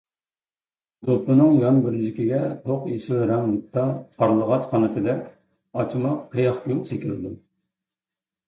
دوپپىنىڭ يان بۇرجىكىگە توق يېشىل رەڭ يىپتا قارلىغاچ قانىتىدەك ئاچىماق قىياق گۈل چېكىلىدۇ.